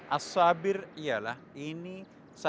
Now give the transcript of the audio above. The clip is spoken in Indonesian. as sabir ialah ini